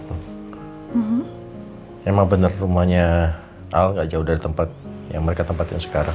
emang bener rumahnya al gak jauh dari tempat yang mereka tempatin sekarang